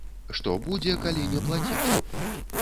Што будзе, калі не плаціць?